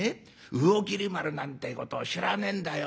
魚切丸なんてえことを知らねえんだよ。